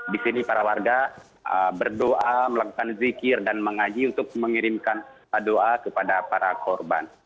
di sini para warga berdoa melakukan zikir dan mengaji untuk mengirimkan doa kepada para korban